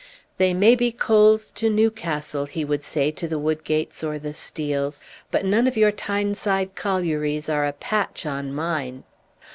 "They may be coals to Newcastle," he would say to the Woodgates or the Steels, "but none of your Tyneside collieries are a patch on mine."